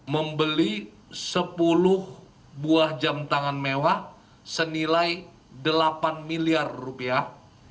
membeli sepuluh buah jam tangan mewah senilai delapan miliar rupiah